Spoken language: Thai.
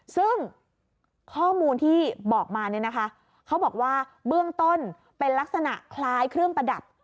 ซึ่งข้อมูลที่บอกมาเนี่ยนะคะเขาบอกว่าเบื้องต้นเป็นลักษณะคล้ายเครื่องประดับ